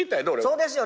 そうですよ。